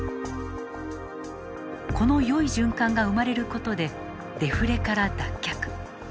このよい循環が生まれることでデフレから脱却。